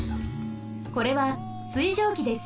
これは水蒸気です。